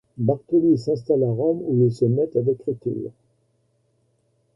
Bartoli s’installe à Rome où il se met à l’écriture.